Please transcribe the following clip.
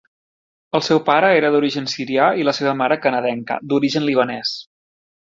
El seu pare era d'origen sirià i la seva mare canadenca d'origen libanès.